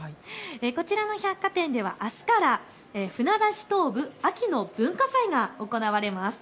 こちらの百貨店ではあすから船橋東武秋の文化祭が行われます。